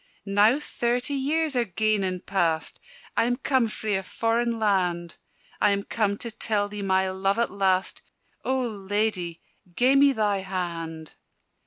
"Now thirty years are gane and past, I am come frae a foreign land: I am come to tell thee my love at last O Ladye, gie me thy hand!"